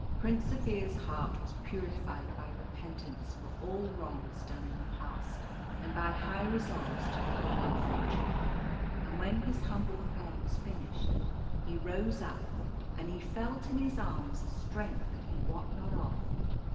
Prince Zaphir's heart was purified by repentance for all wrongs done in the past, and by high resolves to be good in the future ; and when his humble prayer was finished, he rose up, and he felt in his arms a strength that he wot not of.